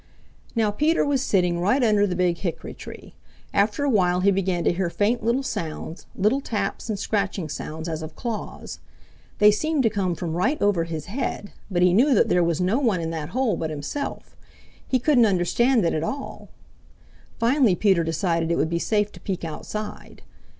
Now Peter was sitting right under the Big Hickory tree. After a while he began to hear faint little sounds, little taps, and scratching sounds as of claws. They seemed to come from right over his head, but he knew that there was no one in that hole but himself. He couldn't understand it at all. Finally Peter decided it would be safe to peek outside.